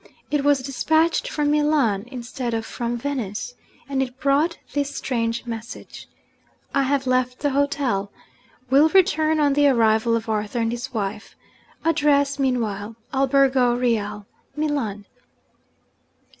It was despatched from Milan, instead of from Venice; and it brought this strange message: 'I have left the hotel. Will return on the arrival of Arthur and his wife. Address, meanwhile, Albergo Reale, Milan.'